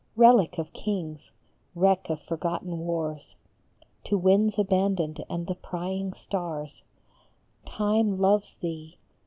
Relic of Kings! Wreck of forgotten wars, To winds abandoned and the prying stars, 10 Time 'loves' Thee!